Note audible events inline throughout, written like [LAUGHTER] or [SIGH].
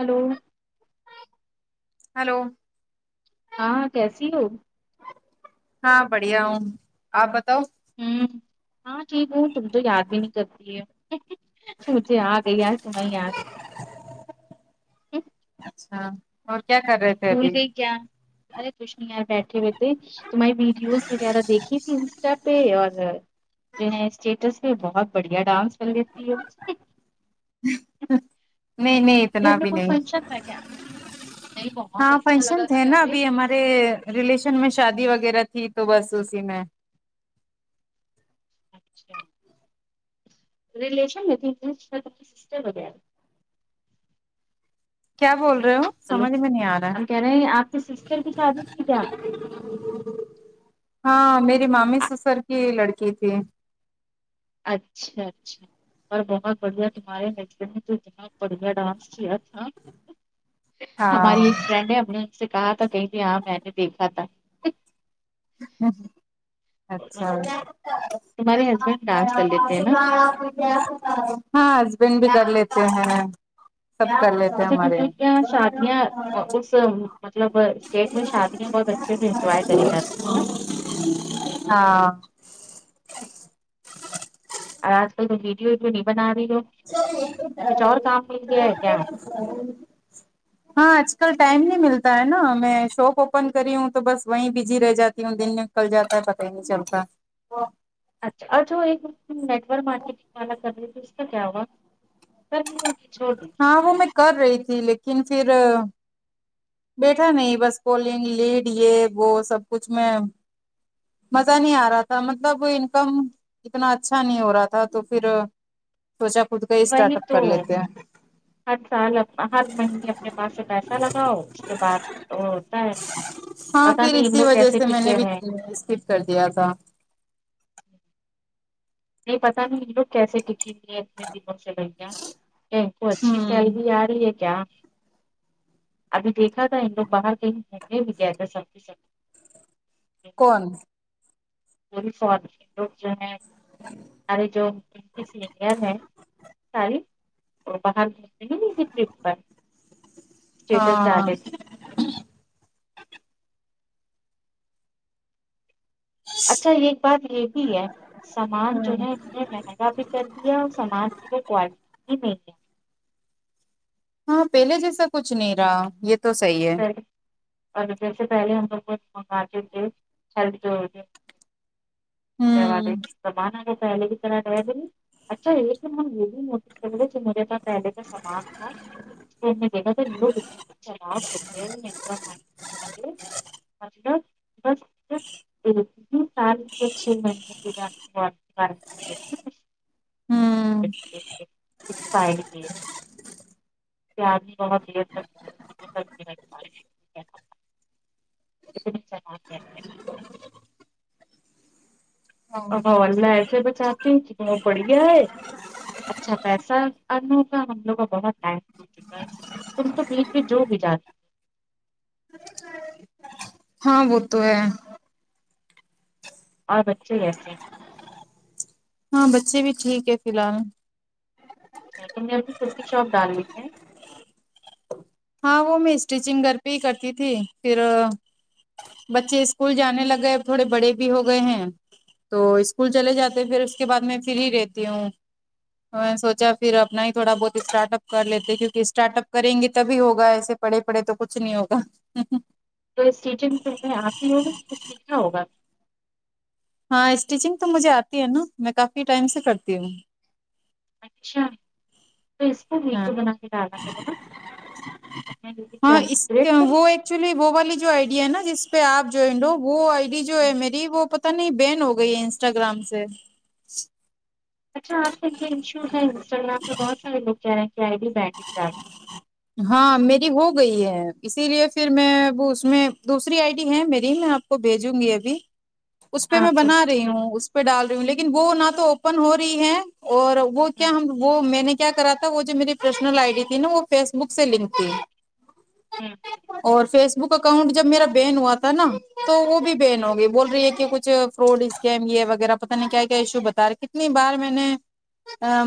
Hello hello ہاں کیسی ہو ہاں بڑھیا ہوں آپ بتاؤ ہوں ہاں ٹھیک ہوں تم تو یاد بھی نہیں کرتی ہے سی جی آ گئی آ تو میں یاد اچھا اور کیا کر رہے تھے بھول ابھی گئی کیا ارے کوشھ نہیں ار بیٹھے ہوئے تھے تمہاری ویڈیوز وغیرہ دیکھی تھی انسٹا پہ اور جو اسٹیٹس پہ بہت بڑھیا ڈانس کر لیتی ہے نہیں نہیں گھر اتنا میں بھی کوئی نہیں فنکشن تھا کیا نہیں بہت ہاں اچھا لگا فنشن تھ تھا نا پہلے ابھی ہمارے ریلیشن میں شادی وغیرہ تھی تو بس اسی میں ریلیشن میں تی سسٹر وغیر کیا بول رہے ہو ہلو سمجھ میں نہیں آ رہا ہے۔ ہم کہہ رہے ہیں آپ کے سسٹر کی شادی کی جان ہاں میری مامی سسر کی لڑکی تھی اچھا اچھا اور بہت بڑھیا تمہارے مچر نے تو اتنا بڑھیا ڈانس کیا تھا ہاں ہماری ایک فرینڈ ہے اپ نے ان سے کہا تھا کہیں تے ہاں میں نے دیکھا تھا اچھا اور کیا تمہارے ہسبینڈ ڈانس کر لیتے ہیں کاسے نا جانا ہوتا ہے ہاں ہسبینڈ بھی کر لیتے ہیں سب کر لیتے ہیں اچھا ہمارے کیونکہ ا کی کیا شادیا اس مطلب اسٹیٹ میں شادیاں بہت اچھے سے انجوائے کری جاتی ہیں ہاں اور آج کل تو ویڈیو ویڈیو نہیں بنا رہی ہو کچھ اور کام مل گیا ہے کیا ہاں آج کل ٹائم نہیں ملتا ہے نا میں شاپ اوپن کری ہوں تو بس وہیں بزی رہ جاتی ہوں دن میں کل جاتا ہے پتا ہی نہیں چلتا اچھا اور ایک نیٹ ورک مارکیٹنگ والا کر رہیھی ا اس کا کیا ہوگا سنیوں کی چھوڑی ہاں وہ میں کر رہی تھی لیکن پھر بیٹھا نہیں بس پولنگ لیڈ یہ وہ سب کچھ میں مزہ نہیں آ رہا تھا مطلب انکم اتنا اچھا نہیں ہو رہا تھا تو پھر سوچا خود کا ہی اسٹارٹ وہی اپ کر تو لیتے ہیں ہر سال ہر مہینے اپنے پاس سے پیسہ لگاؤ اس کے بعد وہ ہوتا ہے ہاں پتا پھر نہیں ان اسی لوگ وجہ کیسے سے میں ٹکے نے بھی ہوئے ہیں اسکپ کر دیا تھا نہیں پتاہ نہیں یہ لوگ کیسے لکھے ہو ہیں اتنے دنوں سے لڑیاں ان کو اچھی ہوں سیلری جا رہی ہے کیا ابھی دیکھا تھا لو باہر کہیں ہونے بھی گد سب س کون وہ بھی فواد لوگ جو ہے ہمارے جو سینئر ہیں ہاں [UNINTELLIGIBLE] اچھا یہ بات یہ بھی ہے سامان جو ہوں ہے من ا بھی کر دیا اور سامان میرے کوالٹی بھی نہیں ہے ہاں پہلے جیسا کچھ نہیں رہا یہ تو صحیح ہے اور جیسے پہلے ہم لوگ پکاتے تھے [INAUDIBLE] ہوں پکانا بھی اچھا ہے لیکن اس طرح رہ اچھا ہے لیکن ہم یہ بھی نوٹس میرے پا پہلے کا سامان تھا اس دیکھا تھا [UNINTELLIGIBLE] [INAUDIBLE] مطلب بس ایک ہی سال کے چھ مہینے [INAUDIBLE] ہوں [INAUDIBLE] [INAUDIBLE] [INAUDIBLE] او اللہ ایسے بچاتے ہیں کہ بہت بڑھیا ہے اچھا پیسا ارنوں کا ہم لوگ کا بہت ٹائم ہو چکا ہے تم تو بیچ میں جو بھی جاتے ہاں وہ تو ہے اور بچے اچھے ہے ہاں بچے بھی ٹھیک ہے فلحال اچھا تم نے اپنی خود کی شاپ ڈال لی ہے ہاں وہ میں اسٹیچنگ گھر پہ ہی کرتی تھی پھر بچے اسکول جانے لگے تھوڑے بڑے بھی ہو گئے ہیں تو اسکول چلے جاتے پھر اس کے بعد میں فری رہتی ہوں تو میں نے سوچا پھر اپنا ہی تھوڑا بہت اسٹارٹ اپ کر لیتے کیکہ اسٹارٹ اپ کریں گے تو تبھی ہوگا ایسے پڑے پڑے تو کچھ نہیں ہوگا تو ستیچنگ پے آپ ہی ہوگی یا سیکھنا ہوگا ہاں اسٹیچنگ تو مجھے آتی ہے نا میں کافی ٹائم سے کرتی ہوں اچھا تو اس کو ہاں ویڈیو بنا کے ڈالنا چاہیے تھا اپنے وٹیوب چینل پے یکدم چلیے وہ والی جو آئی ڈی ہے نا جس پہ آپ جوائنڈ ہو وہ آئی ڈی جو ہے ہاں، میری وہ پتہ نہیں بین ہو گئی ہے انسٹاگرام سے اچھا آج کل یہ ایشو ہے انسٹاگرام پہ بہت سارے لوگ کہہ رہے ہیں کہ آئی ڈی بند ہو جا رہی ہیں ہاں میری ہو گئی ہے اسی لیے پھر میں وہ اس میں دوسری آئی ڈی ہے میری میں آپ کو بھیجوں گی ابھی اس پہ ہاں میں تم بنا رہی ہوں اس پہ ڈال رہی ہوں لیکن وہ نہ تو اوپن ہو رہی ہے اور وہ کیا ہوں وہ میں نے کیا کرا تھا وہ جو میرے پروفیشنل آئی ڈی تھی نا وہ فیس بک سے لنک تھی اور فیس بک بک اکاؤنٹ جب میرا بین ہوا تھا نا تو وہ بھی بین ہوں ہو گی بول رہی ہے کہ کچھ کوڈ اسکم یہ وغیرہ پتہ نہیں کیا کیا ایشو بتا رہے کتنی بار میں نے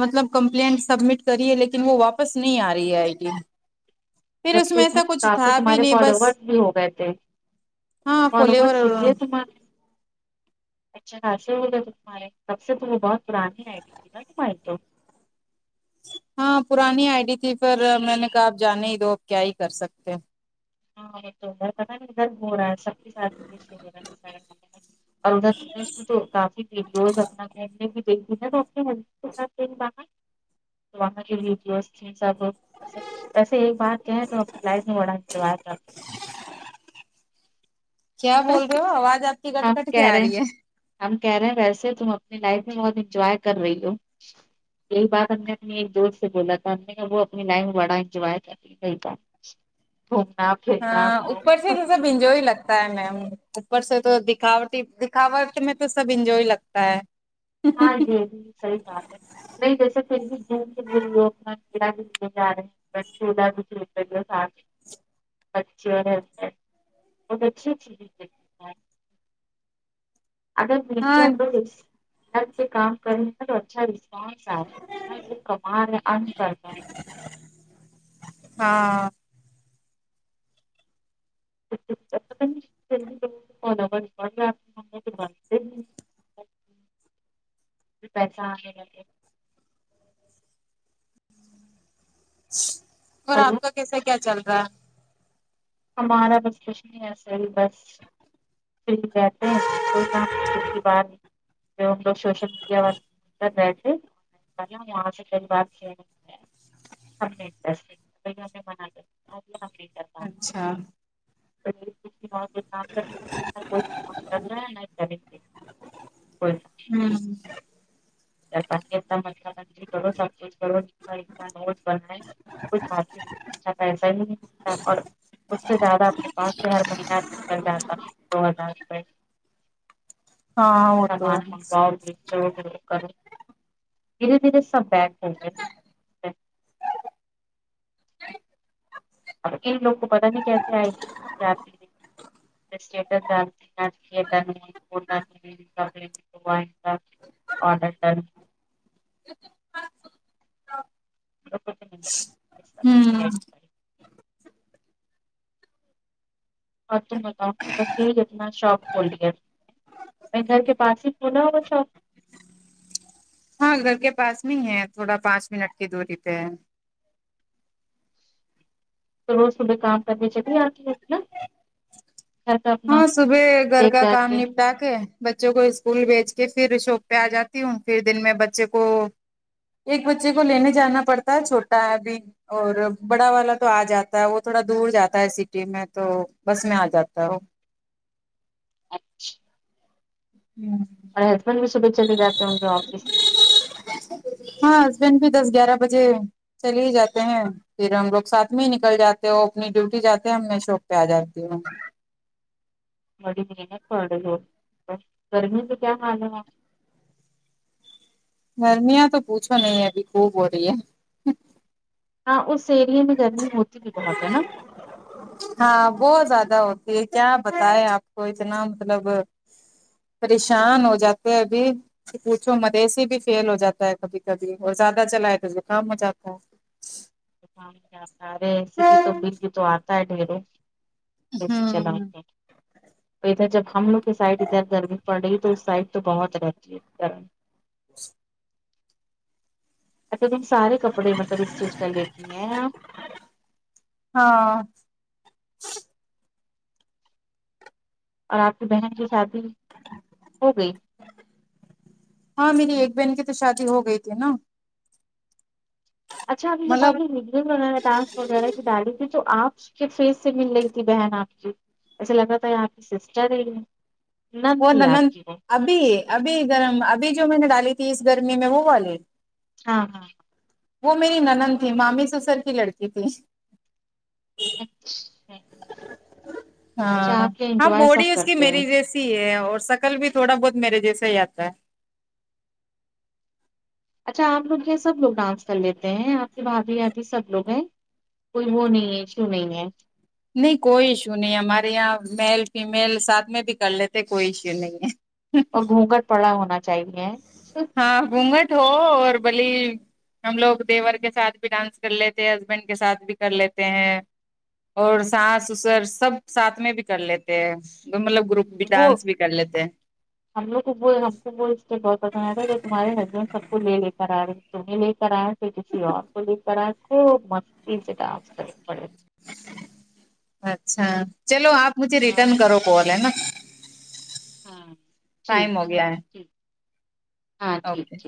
مطلب کمپلینٹ سبمٹ کری ہے لیکن وہ واپس نہیں آ رہی ہے آئی ٹی جب کہ اس میں کافی تمہارے فالوورس بھی ہو گئے تھے ہاں [INAUDIBLE] فلیور اچھے خاصے ہوگئے تھے تمہارے تب سے تو وہ بہت پرانی آئی ڈی تھی نا تمہاری تو ہاں پرانی آئی ڈی تھی پھر میں نے کہا آپ جانے ہی دو کیا ہی کر سکتے ہیں ہاں ادھر ہو رہا ہے سب کے ساتھ ہو رہا ہے اور ار پردیش میں تو کافی ویڈیوز اپنا گنے بھی دیک توپ [INAUDIBLE] وہاں کے ویڈیوز سب ویسے ایک بات کہیں تو اپنے لائف میں بڑا [UNINTELLIGIBLE] کیا بول رہے ہو آواز آپ کی کٹ ہم کٹ کے کہہ رہے ہیں آرہی ہے ہم کہہ رہے ہیں ویسے تم اپنی لائف میں بہت انجوائے کر رہی ہو یہی بات ہم نے اپنی ایک دوست سے بولا تھا ہم نے وہ اپنی لائف میں بڑا انجوائے تھا گھومنا پھرنا انجو ہی لگتا ہے میم اوپر سے تو دکھاوٹ دکھاوٹ میں تو سب انجوہے لگتا ہے ہاں جی جی صحیح بات ہے نہیں جیسے پھر بھی گھوم پھیر رہی ہی اپنا کیڑا بھی لیے جا رہے ہیں بچ چھوڑا ایک دوسرے کے ساتھ اچھی اور ہیئت کارڈ بہت اچھی اچھی ہاں [UNINTELLIGIBLE] پہ کام کر رہے تو اچھا رسپانس آ رہا ہے ا وہ کما رہے ہیں ارن کر رہے ہیں ہاں پتا نہیں [INAUDIBLE] پھر پیسہ آنے لگے اور ہلو آپ کا کیسا کیا چل رہا ہے ہمارا بس کچھ نہیں ایسے ہی بس فری رہتے ہیں کوئی کام کی بات نہیں [INAUDIBLE] [INAUDIBLE] ہم نے ڈریس لئے ہم نے بنے لیکن ہم سیٹ نہیں کر پائے ہاں [INAUDIBLE] [INAUDIBLE] ہوں [UNINTELLIGIBLE] اچھا پیسہ ہی نہیں متا اور اس سے زیادہ اپنے پاس سے ہر مہینہ نکل جاتا دو ہزار روپئے ہاں وہ تو سامان ہے مکاؤ بھی کر دھیرے دھیرے سب بیک ہو ہے اب ان لوگ کو پتا نہیں کیسے آئے گی اسز [INAUDIBLE] تمہارے ساتھ آڈر کرو [UNINTELLIGIBLE] اس طرح کی آئی ڈی ہوں پڑی۔ اور تم بتاؤ بس یہ جتنا شاپ کھولڈ اپنے گھر کے پاس ہی کھولا ہوگا شاپ ہاں گھر کے پاس نہیں ہے تھوڑا پانچ منٹ کی دوری پہ ہے تو روز صبح کام کرنے چلیے آتی ہوکیا ہاں صبح گھر دیکھ کا داکھ کام کے نیپ اٹا کے بچوں کو اسکول بھیج کے پھر شاپ پہ آ جاتی ہوں پھر دن میں بچے کو ایک بچے کو لینے جانا پڑتا ہے چھوٹا ہے ابھی اور بڑا والا تو آ جاتا ہے وہ تھوڑا دور جاتا ہے سٹی میں تو بس میں آ جاتا ہے وہ اچھا ہمم اور ہسبینڈ بھی صبح چلے جاتے ہیں ان کے آفس میں ہاں ہسبینڈ بھی دس گیارہ بجے چلے ہی جاتے ہیں پھر ہم لوگ ساتھ میں ہی نکل جاتے اپنی ڈیوٹی جاتے ہیں ہم میں شوپ پہ آ جاتی ہوں بڑی مہنے پڑ ہو گرمی تو کیا حال ہے گرمیاں تو پوچھو نہیں ابھی خوب ہو رہی ہے ہاں اس ایریے میں گرمی ہوتی بھی بہت ہے نا ہاں بہت زیادہ ہوتی ہے کیا بتائے اپ کو اتنا مطلب پریشان ہو جاتے ہیں ابھی پوچھو مت اے سی بی فیل ہو جاتا ہے کبھی کبھی اور زیادہ چلائے تو زکام ہو جاتا ہے تا ہے ارے ای سے بھی تو ہے بل بھی تو اتا ہے ڈھیروں بس چلاو ہوں کر تو ادھر جب ہم لوگ کی سائڈ ادھر گرمی پڑ رہی ہے تو اس سائڈ تو بہت رہتی ہےر اچھا تم سارے کپڑے مطلب اسٹچ کر لیتی ہیں اپ ہاں اور آپ کی بہن کی شادی ہو گئی ہاں میری ایک بہن کی تو شادی ہو گئی تھی نا اچھا جو مطلب ب بناا تھاس وغیرہ کی ڈیڈی تھی تو آپ کے فیس سے مل رہی تھی بہن آپ کی ایسے لگاتا ہے یہ آپ کی سسٹر ہے نند وہ تھی ن آپ کی وہ ابھی ابھی گرم ابھی جو میں نے ڈالی تھی اس گرمی میں وہ والی ہاں ہاں وہ میری ننن تھی مامی سسر کی لڑکی تھی اچھا اچھا ہاں آپ کے ہاں انجوائے بوڈی سب اس کی کرتے ہیں میری جیسی تی ہے اور سکل بھی تھوڑا بہت میرے جیسے ہی اتاا ہے اچھا اپ لوگ جو ہیں سب لوگ ڈانس کر لیتے ہیں اپ کے بھابھی ابھی سب لوگ ہیں کوئی وہ نہیں ہے ایشو نہیں ہے نہیں کوئی ایشو نہیں ہمارے یہاں میل فیمیل ساتھ میں بھی کر لیتے کوئی ایشو نہیں ہے اور گھونگٹ پڑا ہونا چاہیے سرف ہاں گھونگٹ ہو اور بھلی ہم لوگ دیور کے ساتھ بھی ڈانس کر لیتے ہیں ہسبینڈ کے ساتھ بھی کر لیتے ہیں اور ساس سسر سب ساتھ میں بھی کر لیتے ہیں مطلب گروپ وہ ڈانس بھی کر لیتے ہیں ہم لوگ کو وہ ہم کو وہ اسے بہت پسند ا رہ ہے جو تمہارے ہسبینڈ سب کو لے لے کر ا رہے ہیں تمہیں لے کر ائے پھر کسی اور کو لے کر ائے خوب مستی سے ڈانس کرنے پڑے اچھا چلو اپ مجھے ہاں ریٹرن کرو پ رہ نا ہاں ٹائم ہو ٹھیک گیا ہے ٹھیک ہاں ٹھیک اوکے ٹھیک